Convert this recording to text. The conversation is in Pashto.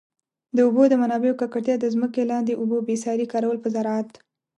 د اوبو د منابعو ککړتیا، د ځمکي لاندي اوبو بي ساري کارول په زراعت.